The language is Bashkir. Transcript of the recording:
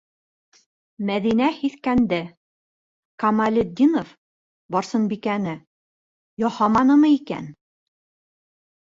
Мәҙинә һиҫкәнде: Камалетдинов Барсынбикәне... яһаманымы икән?!